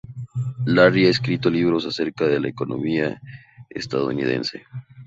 Larry ha escrito libros acerca de la economía estadounidense.